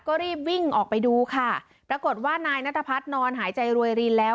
ก็รีบวิ่งออกไปดูค่ะปรากฏว่านายนัทพัฒน์นอนหายใจรวยรินแล้ว